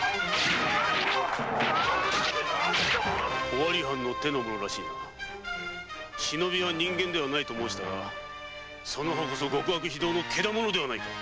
尾張藩の手の者らしいが忍びは人間ではないと申したがその方こそ極悪非道のけだものだぞ！